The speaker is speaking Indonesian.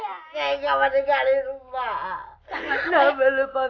gapapa ya gani rumpah